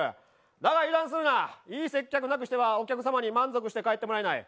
だが油断するな、いい接客なしに満足して帰ってもらえない。